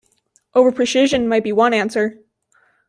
Overprecision might be one answer.